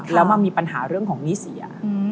แล้วมามีปัญหาเรื่องของหนี้เสีย